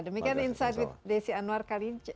demikian insight with desi anwar kali ini